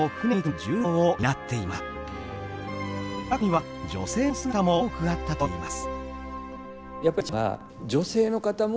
中には女性の姿も多くあったといいます